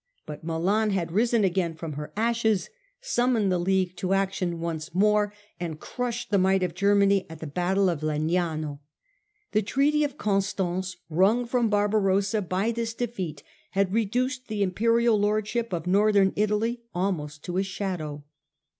But Milan had risen again from her ashes, summoned the League to action once more, and crushed the might of Germany at the battle of Legnano. The treaty of Constance wrung from Barbarossa by this defeat had reduced the Imperial lordship of Northern Italy almost to a shadow.